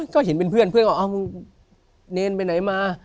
ก็เห็นเป็นเพื่อนเอ้าเนนไปไหนมา